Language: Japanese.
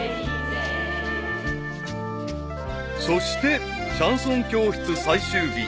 ［そしてシャンソン教室最終日］